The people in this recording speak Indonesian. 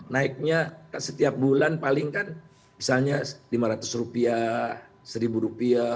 naiknya setiap bulan paling kan misalnya rp lima ratus rp satu